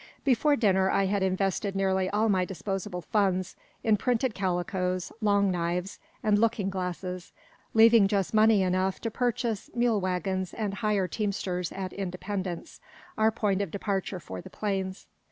Before dinner I had invested nearly all my disposable funds in printed calicoes, long knives, and looking glasses, leaving just money enough to purchase mule waggons and hire teamsters at Independence, our point of departure for the plains.